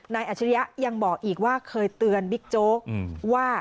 อัจฉริยะยังบอกอีกว่าเคยเตือนบิ๊กโจ๊กว่า